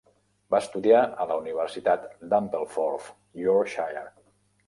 Va estudiar a la universitat d'Ampleforth, Yorkshire.